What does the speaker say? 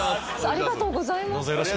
ありがとうございます。